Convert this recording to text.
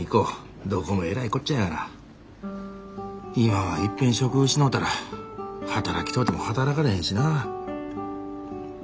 今はいっぺん職失うたら働きとうても働かれへんしな。